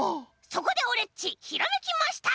そこでオレっちひらめきました！